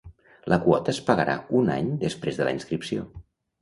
La quota es pagarà un any després de la inscripció.